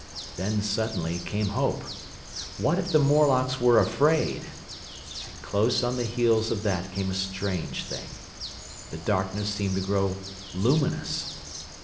Then suddenly came hope. What if the Morlocks were afraid? And close on the heels of that came a strange thing. The darkness seemed to grow luminous.